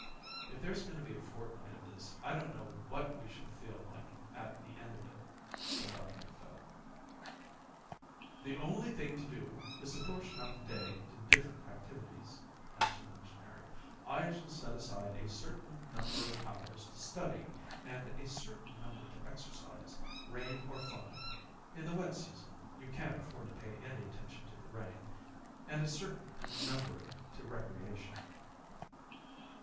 "If there's going to be a fortnight of this I don't know what we shall feel like at the end of it," said Dr Macphail. "The only thing to do is to portion out the day to different activities," answered the missionary. "I shall set aside a certain number of hours to study and a certain number to exercise, rain or fine in the wet season you can't afford to pay any attention to the rain and a certain number to recreation."